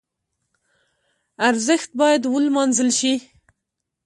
ارزښت باید ولمانځل شي.